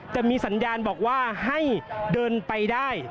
จะมีสัญญาณบอกว่าให้เดินไปได้